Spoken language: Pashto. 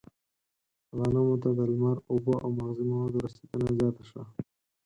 غنمو ته د لمر، اوبو او مغذي موادو رسېدنه زیاته شوه.